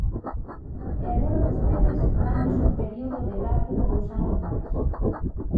E agora vostedes danlles un período de graza de dous anos máis.